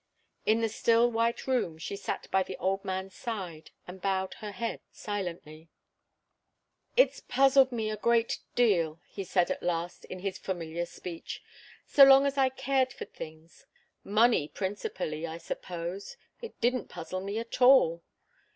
In the still, white room she sat by the old man's side and bowed her head silently. "It's puzzled me a great deal," he said, at last, in his familiar speech. "So long as I cared for things, money, principally, I suppose, it didn't puzzle me at all.